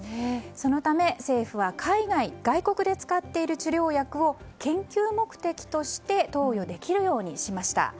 そのため、政府は海外外国で使っている治療薬を研究目的として投与できるようにしました。